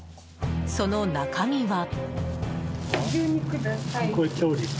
その中身は。